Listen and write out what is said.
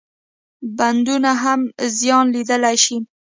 بندونه هم زیان لیدلای شي.